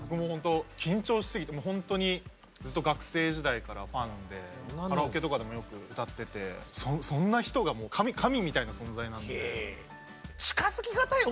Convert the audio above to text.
緊張しすぎてほんとにずっと学生時代からファンでカラオケとかでもよく歌っててそんな人がもういや結構。